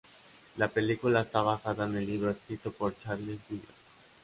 La película está basada en el libro escrito por Charles Williams.